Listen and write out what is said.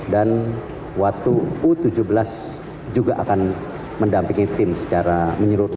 dan waktu u tujuh belas juga akan mendampingi tim secara menyerut